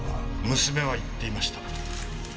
娘は言っていました。